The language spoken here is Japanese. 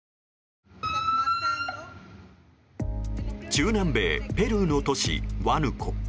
中南米ペルーの都市ワヌコ。